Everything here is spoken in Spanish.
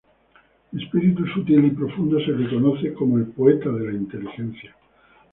De espíritu sutil y profundo, se le conoce como "el poeta de la inteligencia".